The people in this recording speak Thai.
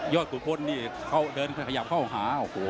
ยอดขุมพลนี่เข้าเดินขยับเข้าหา